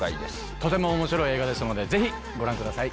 とても面白い映画ですのでぜひご覧ください。